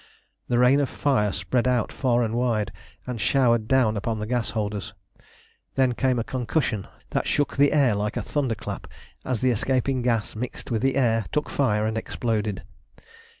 The rain of fire spread out far and wide, and showered down upon the gas holders. Then came a concussion that shook the air like a thunder clap as the escaping gas mixed with the air, took fire, and exploded.